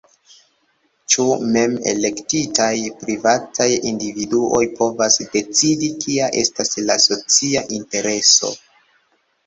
Ĉu mem-elektitaj privataj individuoj povas decidi, kia estas la socia intereso?